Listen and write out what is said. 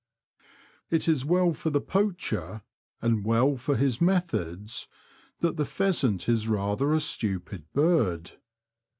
It is well for the poacher, and well for his methods, that the pheasant is rather a stupid bird.